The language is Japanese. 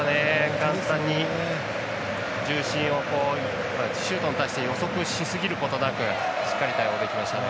簡単に重心をシュートに対して予測しすぎることなくしっかり対応できましたね。